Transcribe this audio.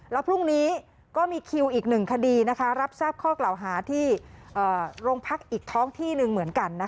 แล้วพรุ่งนี้ก็มีคิวอีกหนึ่งคดีรับทราบข้อกล่าวหาที่โรงพักอีกท้องที่หนึ่งเหมือนกัน